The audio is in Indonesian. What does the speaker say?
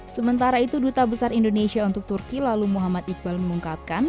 sementara itu duta besar indonesia untuk turki lalu muhammad iqbal mengungkapkan